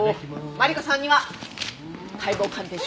マリコさんには解剖鑑定書。